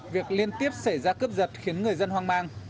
việc liên tiếp xảy ra cướp giật khiến người dân hoang mang